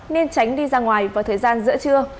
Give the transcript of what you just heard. nên tránh đi ra ngoài vào thời gian giữa trưa